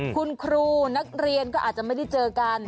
คุณครูนักเรียนก็อาจจะไม่ได้เจอกัน